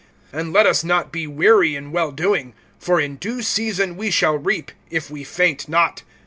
(9)And let us not be weary in well doing; for in due season we shall reap, if we faint not.